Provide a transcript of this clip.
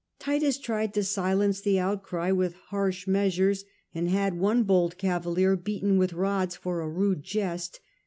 Titus tried to silence the outcry with harsh measures, and had one bold caviller beaten with rods for a rude jest.